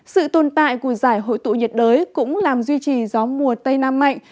sự tồn tại của giải hội tụ nhiệt đới cũng làm duy trì gió mùa tây nam mạnh